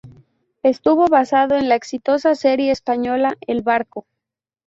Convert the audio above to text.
Estuvo basado en la exitosa serie española "El barco".